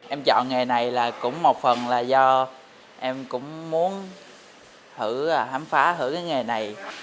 em chọn nghề này là cũng một phần là do em cũng muốn thử hãm phá thử cái nghề này